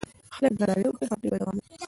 که خلک درناوی وکړي خبرې به دوام وکړي.